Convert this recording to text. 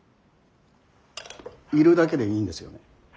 いるだけでいいんですよね。